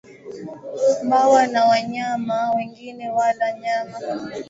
mbwa na wanyama wengine wala nyama